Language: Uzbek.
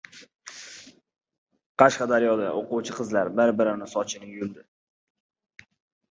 Qashqadaryoda o‘quvchi qizlar bir-birini "sochini yuldi"